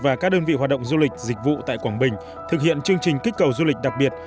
và các đơn vị hoạt động du lịch dịch vụ tại quảng bình thực hiện chương trình kích cầu du lịch đặc biệt